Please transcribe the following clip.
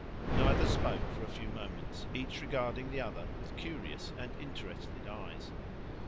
Neither spoke for a few moments, each regarding the other with curious and interested eyes.